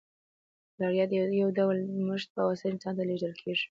ملاریا د یو ډول مچ په واسطه انسان ته لیږدول کیږي